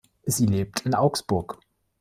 Sie lebt in Augsburg.